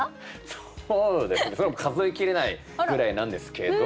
そうですねそれは数え切れないぐらいなんですけど。